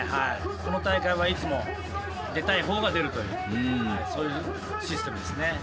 この大会はいつも出たいほうが出るというそういうシステムですね。